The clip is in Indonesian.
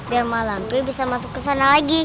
biar mak lampir bisa masuk ke sana lagi